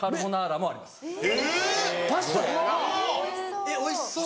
えっおいしそう。